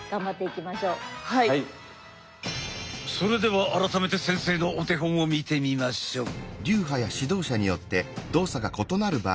それでは改めて先生のお手本を見てみましょう。